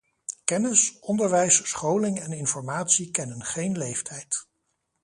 Kennis, onderwijs, scholing en informatie kennen geen leeftijd.